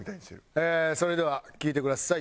えーそれでは聴いてください。